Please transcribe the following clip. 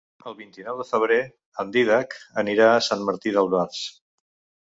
El vint-i-nou de febrer en Dídac anirà a Sant Martí d'Albars.